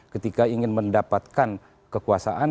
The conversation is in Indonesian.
ketika ingin mendapatkan kekuasaan